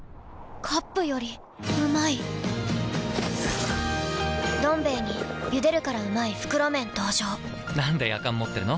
カップよりうまい「どん兵衛」に「ゆでるからうまい！袋麺」登場なんでやかん持ってるの？